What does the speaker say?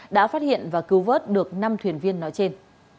đã phát hiện và cứu vớt được năm thuyền viên nói trên